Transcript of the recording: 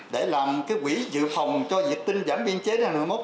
để làm cái quỹ dự phòng cho dịch tinh giảm biên chế ra nửa mốc